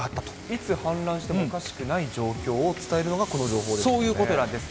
いつ氾濫してもおかしくない状況を伝えるのがこの予報ですよそういうことなんです。